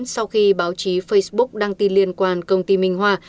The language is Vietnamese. sau khi báo chí facebook đăng tin liên quan công ty minh hoa